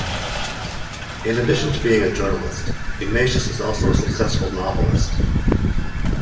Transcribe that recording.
In addition to being a journalist, Ignatius is also a successful novelist.